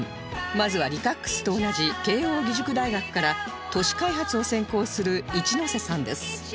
まずは Ｌｉｃａｘｘｘ と同じ慶應義塾大学から都市開発を専攻する一ノさんです